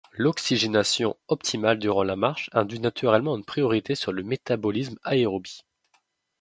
L'oxygénation optimale durant la marche induit naturellement une priorité sur le métabolisme aérobie.